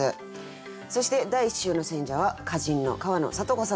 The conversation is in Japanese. そして第１週の選者は歌人の川野里子さんです。